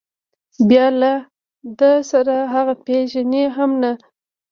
بیا له ده سره هغه پېژني هم نه.